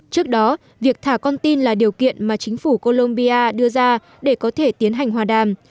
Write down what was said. trước đó việc thả con tin là điều kiện mà chính phủ colombia đưa ra để có thể tiến hành hòa đàm